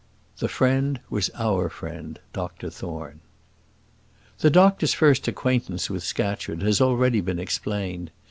The friend was our friend Dr Thorne. The doctor's first acquaintance with Scatcherd has been already explained.